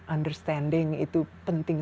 understanding itu penting